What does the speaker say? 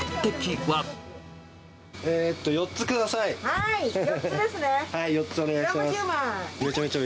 はい。